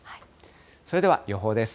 それでは予報です。